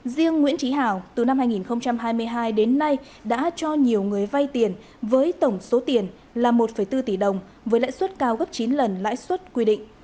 riêng nguyễn trí hào từ năm hai nghìn hai mươi hai đến nay đã cho nhiều người vay tiền với tổng số tiền là một bốn tỷ đồng với lãi suất cao gấp chín lần lãi suất quy định